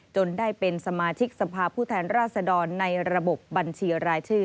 จนได้เป็นสมาชิกสภาพผู้แทนราชดรในระบบบัญชีรายชื่อ